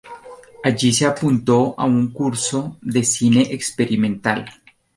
Allí se apuntó a un curso de cine experimental.